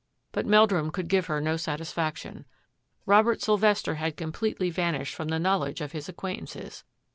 But Meldrum could give her no satisfaction. Robert Sylvester had completely vanished from the knowledge of his acquaintances.